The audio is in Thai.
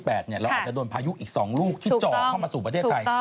เราอาจจะโดนพายุอีก๒ลูกที่จ่อเข้ามาสู่ประเทศไทย